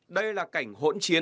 đây là cảnh hỗn trị